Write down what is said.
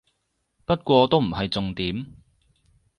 不過都唔係重點